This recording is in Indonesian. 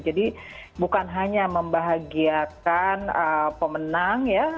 jadi bukan hanya membahagiakan pemenang ya